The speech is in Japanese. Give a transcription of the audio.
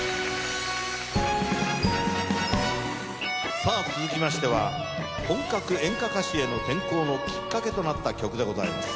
さぁ続きましては本格演歌歌手への転向のきっかけとなった曲でございます。